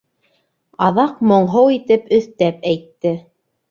Аҙаҡ моңһоу итеп өҫтәп әйтте: